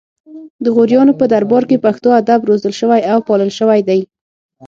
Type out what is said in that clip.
د غوریانو په دربار کې پښتو ادب روزل شوی او پالل شوی دی